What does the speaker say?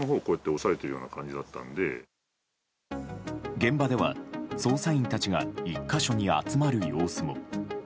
現場では捜査員たちが１か所に集まる様子も。